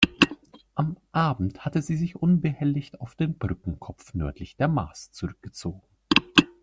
Am Abend hatte sie sich unbehelligt auf den Brückenkopf nördlich der Maas zurückgezogen.